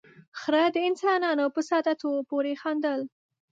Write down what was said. ، خره د انسانانو په ساده توب پورې خندل.